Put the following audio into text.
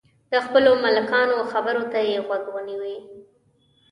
د خپلو ملکانو خبرو ته یې غوږ نیوی.